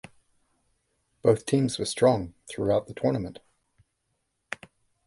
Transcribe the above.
Both teams were strong throughout the tournament.